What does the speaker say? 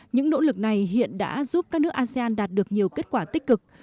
những nỗ lực này hiện đã giúp các nước asean đạt được nhiều kết quả tích cực